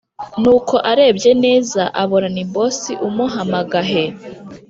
nuko arebye neza abona ni boss umuhamagahe